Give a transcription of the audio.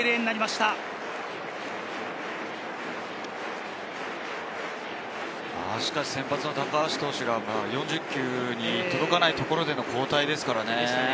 しかし先発の高橋投手が４０球に届かないところでの交代ですからね。